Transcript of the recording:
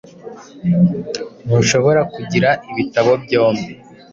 Ntushobora kugira ibitabo byombi